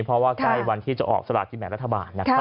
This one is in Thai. เพราะว่ากล้ายวันที่จะออกสหติรัฐแห่งรัฐบาล